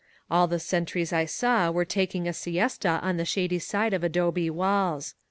All the sen tries I saw were taking a siesta on the shady side of adobe walls.